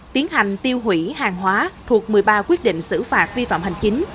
tiến hành tiêu hủy hàng hóa thuộc một mươi ba quyết định xử phạt vi phạm hành chính